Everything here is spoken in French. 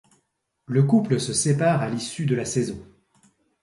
Le couple se sépare à l'issue de la saison.